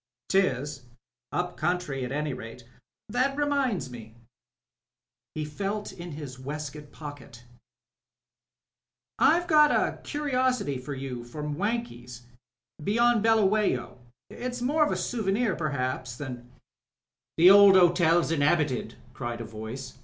"'Tis — up country at any rate. That reminds me," he felt in his waistcoat pocket, "I've got a curi osity for you from Wankies — ^beyond Buluwayo. It's more of a souvenir perhaps than " "The old hotel's inhabited," cried a voice.